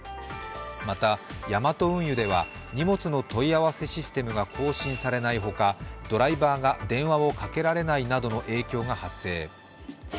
また、ヤマト運輸では荷物の問い合わせシステムが更新されないほかドライバーが電話をかけられないなどの影響が発生。